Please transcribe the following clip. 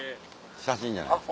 写真じゃないですか？